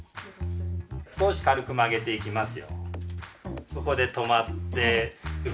少し軽く曲げていきますよ。